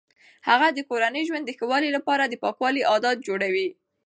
هغه د کورني ژوند د ښه والي لپاره د پاکوالي عادات جوړوي.